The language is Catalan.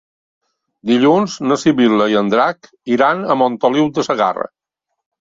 Dilluns na Sibil·la i en Drac iran a Montoliu de Segarra.